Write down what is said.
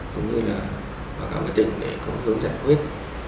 cũng như báo cáo với tỉnh để có một phương giải quyết